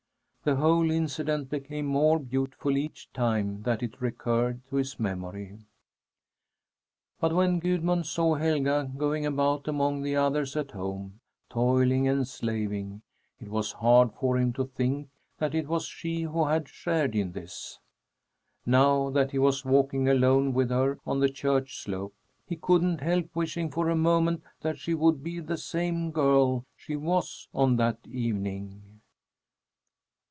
The whole incident became more beautiful each time that it recurred to his memory. But when Gudmund saw Helga going about among the others at home, toiling and slaving, it was hard for him to think that it was she who had shared in this. Now that he was walking alone with her on the church slope, he couldn't help wishing for a moment that she would be the same girl she was on that evening.